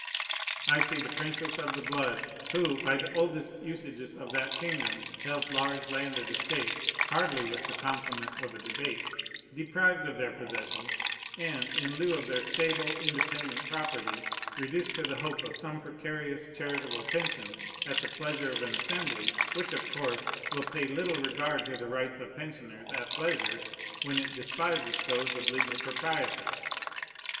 I see the princes of the blood, who, by the oldest usages of that kingdom, held large landed estates, (hardly with the compliment of a debate,) deprived of their possessions, and, in lieu of their stable, independent property, reduced to the hope of some precarious charitable pension at the pleasure of an Assembly, which of course will pay little regard to the rights of pensioners at pleasure, when it despises those of legal proprietors.